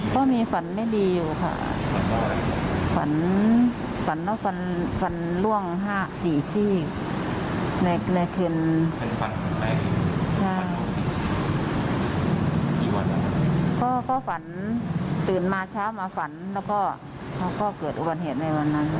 ก็ฝันตื่นมาเช้ามาฝันแล้วก็ก็เกิดอุบัญเหตุในวันนั้น